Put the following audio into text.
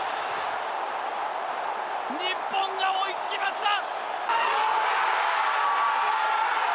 日本が追いつきました！